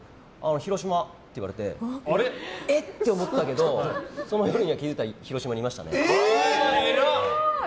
広島って言われてえ？って思ったけどその夜、広島にいましたね。